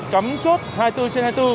cắm chốt hai mươi bốn trên hai mươi bốn